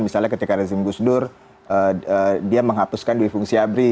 misalnya ketika rezim gus dur dia menghapuskan duit fungsi abri